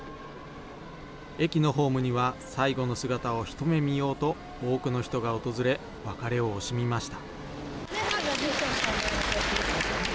駅のホームには最後の姿を一目見ようと、多くの人が訪れ、別れを惜しみました。